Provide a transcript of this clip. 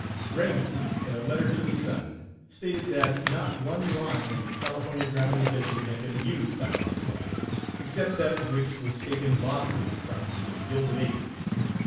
Raymond, in a letter to the Sun, stated that not "one line" of the California dramatization had been used by Mark Twain, "except that which was taken bodily from The Gilded Age."